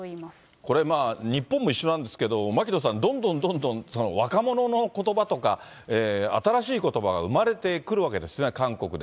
これ、日本も一緒なんですけど、牧野さん、どんどんどんどん、若者のことばとか、新しいことばが生まれてくるわけですね、韓国で。